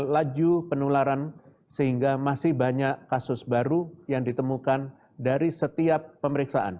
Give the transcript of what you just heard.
laju penularan sehingga masih banyak kasus baru yang ditemukan dari setiap pemeriksaan